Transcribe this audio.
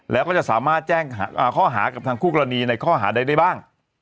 แล้วก็จะสามารถแจ้งข้อหากับทางคู่กรณีในข้อหาใดได้บ้าง